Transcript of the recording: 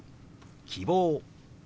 「希望」。